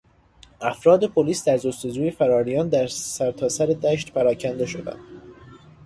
افراد پلیس در جستجوی فراریان در سرتاسر دشت پراکنده شدند.